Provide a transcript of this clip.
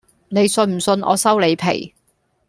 你信唔信我收你皮